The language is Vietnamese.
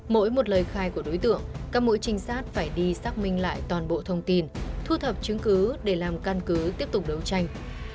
mỗi một lời khai của đối tượng các mũi trinh sát phải đi xác minh lại toàn bộ thông tin thu thập chứng cứ để làm căn cứ tiếp tục đấu tranh